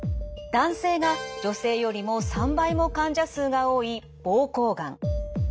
男性が女性よりも３倍も患者数が多い膀胱がん。